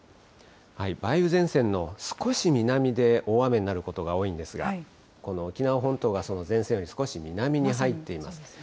梅雨前線の少し南で大雨になることが多いんですが、この沖縄本島がその前線より少し南に入っています。